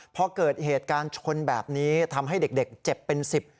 พอเกิดเหตุการณ์ชนแบบนี้ทำให้เด็กเจ็บเป็นสิบ